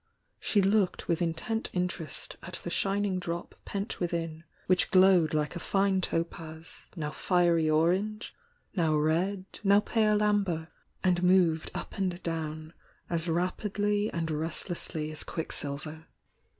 She looked with intent interest at the shining drop pent within, which glowed like a fine topaz, now fiery orange, now red, now pale amber, and moved up and down as rapidly and restlessly as quicksilver.